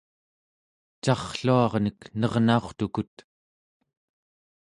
carrluarnek nernaurtukut